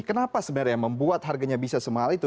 kenapa sebenarnya membuat harganya bisa semahal itu